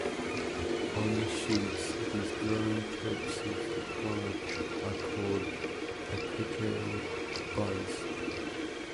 On the shoots, these growing tips of the plant are called "apical" buds.